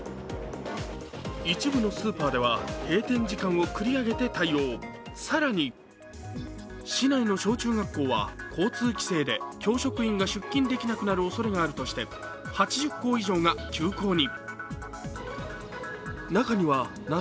一部のスーパーでは閉店時間を繰り上げて対応、更に市内の小中学校は交通規制で教職員が出勤できなくなるおそれがあるとして８０校以上が休校に。